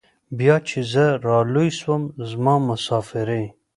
بيا چې زه رالوى سوم زما مسافرۍ.